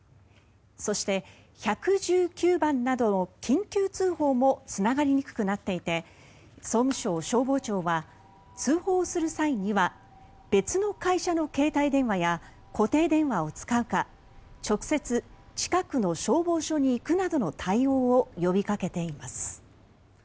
そして１１９番などの緊急通報もつながりにくくなっていて総務省消防庁は通報をする際には別の会社の携帯電話や固定電話を使うか直接、近くの消防署に行くなどの対応を呼びかけています。